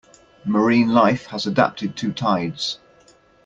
Marine life has adapted to tides.